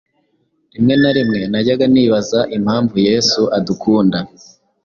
Rimwe na rimwe najyaga nibaza impamvu yesu adukunda